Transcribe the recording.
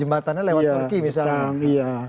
jembatannya lewat turki misalnya